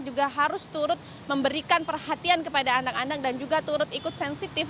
juga harus turut memberikan perhatian kepada anak anak dan juga turut ikut sensitif